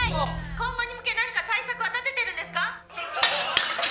「今後に向け何か対策は立ててるんですか？」